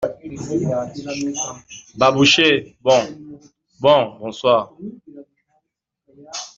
Babochet Bon … bon … bonsoir !